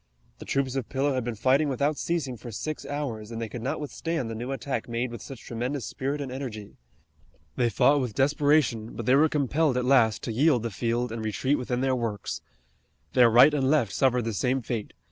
The troops of Pillow had been fighting without ceasing for six hours, and they could not withstand the new attack made with such tremendous spirit and energy. They fought with desperation, but they were compelled at last to yield the field and retreat within their works. Their right and left suffered the same fate.